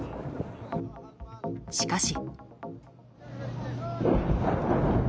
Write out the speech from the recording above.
しかし。